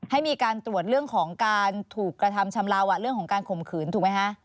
ให้มีการตรวจเรื่องของการถูกกระทำชำเลาเรื่องของการข่มขืนถูกไหมคะ